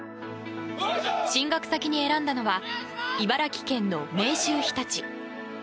進学先に選んだのは茨城県の明秀日立。